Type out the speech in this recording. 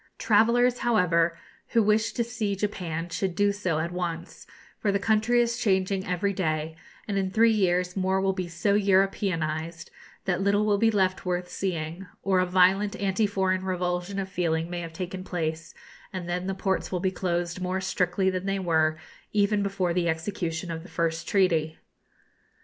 Travellers, however, who wish to see Japan should do so at once; for the country is changing every day, and in three years more will be so Europeanised that little will be left worth seeing; or a violent anti foreign revulsion of feeling may have taken place, and then the ports will be closed more strictly than they were even before the execution of the first treaty.